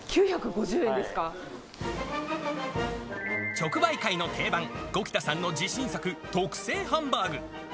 直売会の定番、五木田さんの自信作、特製ハンバーグ。